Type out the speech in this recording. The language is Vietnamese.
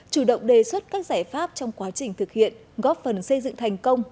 chủ động đề xuất các giải pháp trong quá trình thực hiện góp phần xây dựng thành công